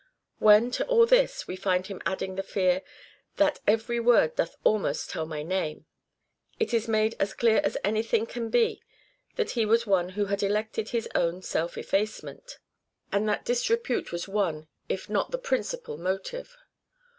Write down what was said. When to all this we find him adding the fear " That every word doth almost tell my name," it is made as clear as anything can be that he was one who had elected his own self effacement, and that disrepute was one, if not the principal motive.